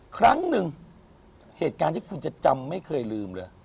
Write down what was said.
ครั้งหนึ่งเหตุการณ์ที่คุณจะจำไม่เคยลืมเลย